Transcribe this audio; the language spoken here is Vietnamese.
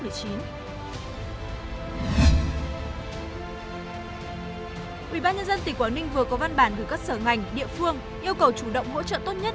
ubnd tỉnh quảng ninh vừa có văn bản gửi các sở ngành địa phương yêu cầu chủ động hỗ trợ tốt nhất